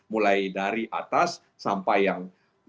mulai dari atas sampai yang